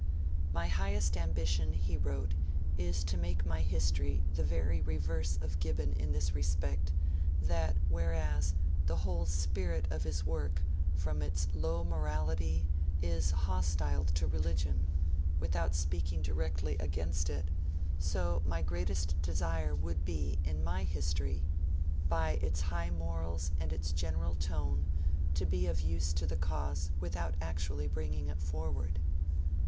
'My highest ambition,' he wrote, 'is to make my history the very reverse of Gibbon in this respect, that whereas the whole spirit of his work, from its low morality, is hostile to religion, without speaking directly against it, so my greatest desire would be, in my History, by its high morals and its general tone, to be of use to the cause without actually bringing it forward.'